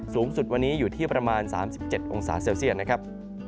สูงสุดวันนี้อยู่ที่ประมาณ๓๗องศาเซลเซียตนะครับ